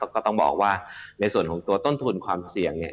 ก็ต้องบอกว่าในส่วนของตัวต้นทุนความเสี่ยงเนี่ย